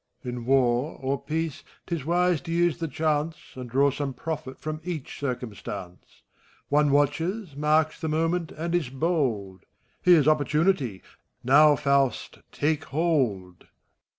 In War or Peace, 't is wise to use the chance, And draw some profit from each eircuiostance. One watches, marks the moment, and is bold : Here's opportunity I^now, Faust, take hold ! FAUST.